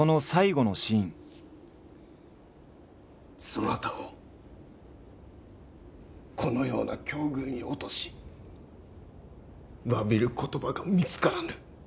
そなたをこのような境遇に落とし詫びる言葉が見つからぬ。